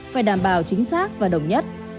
phải đảm bảo chính xác và đồng nhất